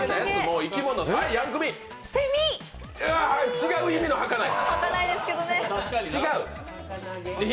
違う意味のはかない！